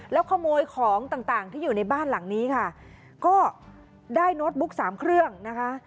แล้วขโมยของต่างต่างที่อยู่ในบ้านหลังนี้ค่ะก็ได้โน้ตบุ๊กสามเครื่องนะคะ